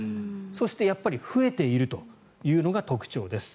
そしてやっぱり増えているというのが特徴です。